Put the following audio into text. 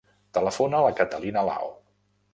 Telefona a la Catalina Lao.